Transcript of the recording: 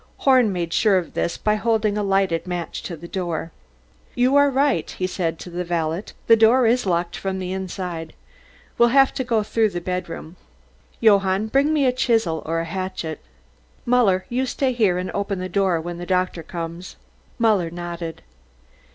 Horn made sure of this by holding a lighted match to the door. "You are right," he said to the valet, "the door is locked from the inside. We'll have to go through the bedroom. Johann, bring me a chisel or a hatchet. Muller, you stay here and open the door when the doctor comes." Muller nodded.